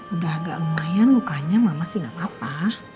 udah agak lumayan mukanya mama sih gak apa apa